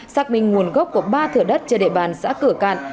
xác minh nguồn gốc của ba thửa đất trên địa bàn xã cửa cạn